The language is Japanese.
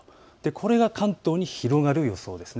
これが関東に広がる予想です。